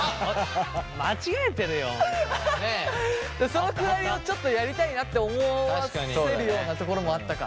そのくだりをちょっとやりたいなって思わせるようなところもあったか。